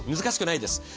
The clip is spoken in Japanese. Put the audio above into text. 難しくないです。